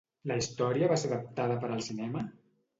La història va ser adaptada per al cinema?